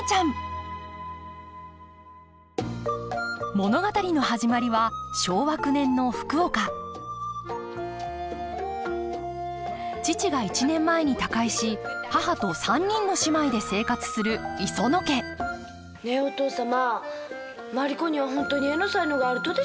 物語の始まりは昭和９年の福岡父が１年前に他界し母と３人の姉妹で生活する磯野家ねえお父様マリ子には本当に絵の才能があるとでしょうか？